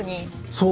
そう。